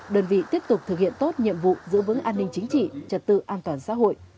đơn vị tiếp tục thực hiện tốt nhiệm vụ giữ vững an ninh chính trị trật tự an toàn xã hội